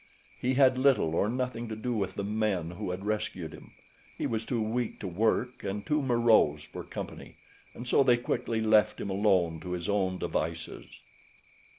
He had little or nothing to do with the men who had rescued him. He was too weak to work and too morose for company, and so they quickly left him alone to his own devices.